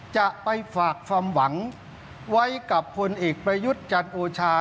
จะไปฝากความหวังไว้กับผลเอกประยุทธ์จันทร์โอชา